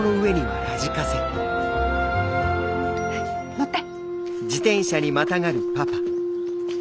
乗って！